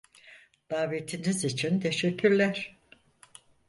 Davetiniz için teşekkürler.